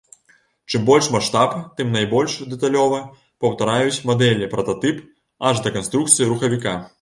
Чым больш маштаб, тым найбольш дэталёва паўтараюць мадэлі прататып, аж да канструкцыі рухавіка.